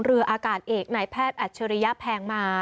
เรืออากาศเอกนายแพทย์อัจฉริยะแพงมา